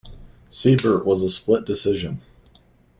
Seibert was a split decision.